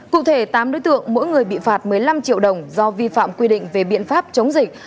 cụ thể tám đối tượng mỗi người bị phạt một mươi năm triệu đồng do vi phạm quy định về biện pháp chống dịch